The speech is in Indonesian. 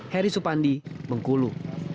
heri supandi bengkulu